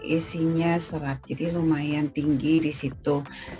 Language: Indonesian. isinya serat jadi lumayan tinggi disitu